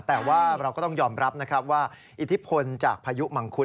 แต่ว่าเราก็ต้องยอมรับนะครับว่าอิทธิพลจากพายุมังคุด